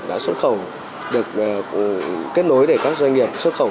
đã xuất khẩu được kết nối để các doanh nghiệp xuất khẩu